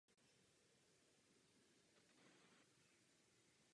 Baronka Ashtonová nedostala za celý život jediný hlas.